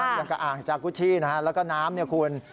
ยากอ่างจากุชชี่นะฮะแล้วก็น้ำคุณ